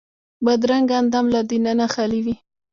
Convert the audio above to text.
بدرنګه اندام له دننه خالي وي